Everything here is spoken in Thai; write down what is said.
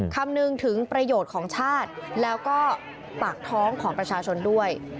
คำนึงถึงประโยชน์ของชาติแล้วก็ปากท้องของประชาชนด้วย